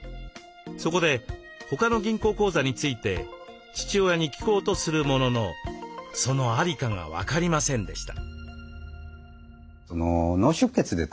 そこで他の銀行口座について父親に聞こうとするもののその在りかが分かりませんでした。